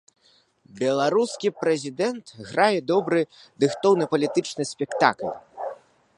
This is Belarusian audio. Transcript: Беларускі прэзідэнт грае добры, дыхтоўны палітычны спектакль.